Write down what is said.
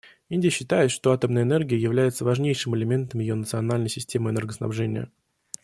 Индия считает, что атомная энергия является важнейшим элементом ее национальной системы энергоснабжения.